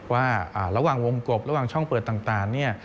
ว่าระหว่างวงกบระหว่างช่องเปิดต่างเนี่ย